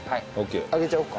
あげちゃおうか。